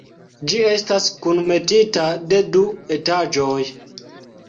Ĝi estas kunmetita de du etaĝoj.